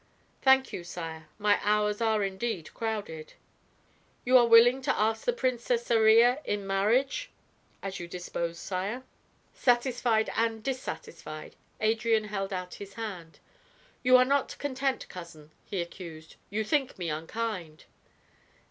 "Thank you, sire; my hours are indeed crowded." "You are willing to ask the Princess Iría in marriage?" "As you dispose, sire." Satisfied and dissatisfied, Adrian held out his hand. "You are not content, cousin," he accused. "You think me unkind."